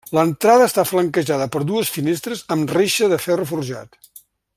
L’entrada està flanquejada per dues finestres amb reixa de ferro forjat.